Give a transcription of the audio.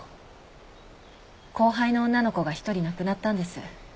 後輩の女の子が一人亡くなったんです。